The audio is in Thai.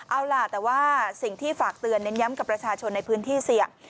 เอาล่ะแต่ว่าสิ่งที่ฝากเตือนเน้นย้ำกับประชาชนในพื้นที่เสี่ยง